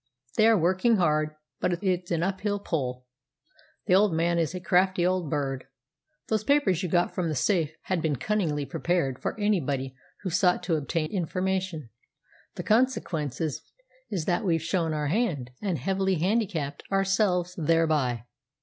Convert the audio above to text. "They are working hard, but it's an uphill pull. The old man is a crafty old bird. Those papers you got from the safe had been cunningly prepared for anybody who sought to obtain information. The consequence is that we've shown our hand, and heavily handicapped ourselves thereby."